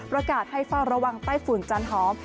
ระกาศให้ฟังระวังใต้ฝุ่นจันทร์หอม